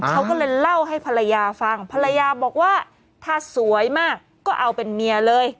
เขาก็เลยเล่าให้ภรรยาฟังภรรยาบอกว่าถ้าสวยมากก็เอาเป็นเมียเลย